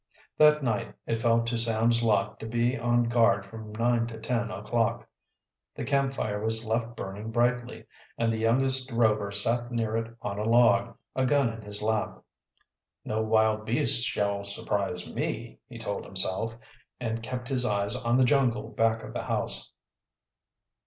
That night it fell to Sam's lot to be on guard from nine to ten o'clock. The camp fire was left burning brightly, and the youngest Rover sat near it on a log, a gun in his lap. "No wild beast shall surprise me," he told himself, and kept his eyes on the jungle back of the house.